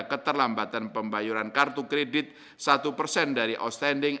keterlambatan pembayaran kartu kredit satu persen dari outstanding